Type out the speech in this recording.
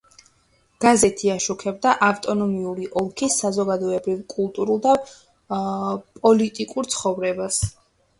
გაზეთი აშუქებდა ავტონომიური ოლქის საზოგადოებრივ-პოლიტიკურ და კულტურულ ცხოვრებას.